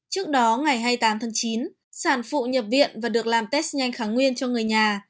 trước đó ngày hai mươi tám tháng chín sản phụ nhập viện và được làm test nhanh kháng nguyên cho người nhà